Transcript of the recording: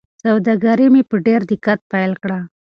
سوداګري مې په ډېر دقت پیل کړه.